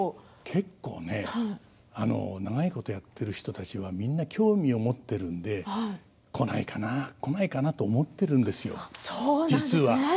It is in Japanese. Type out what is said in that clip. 結構、長いことやってる人たちはみんな興味を持っているのでこないかな、こないかなと思っているんですよ実は。